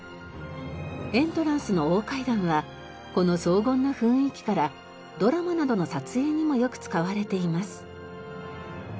エントランスの大階段はこの荘厳な雰囲気からドラマなどの撮影にもよく使われています。